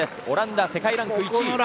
オランダ、世界ランク１位。